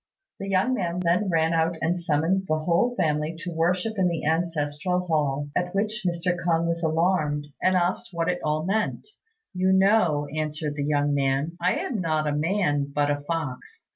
The young man then ran out and summoned the whole family to worship in the ancestral hall, at which Mr. K'ung was alarmed, and asked what it all meant. "You know," answered the young man, "I am not a man but a fox.